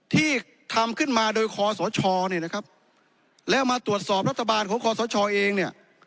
ที่ทำขึ้นมาโดยคอสชเนี่ยนะครับแล้วมาตรวจสอบรัฐบาลของคอสชเองเนี่ย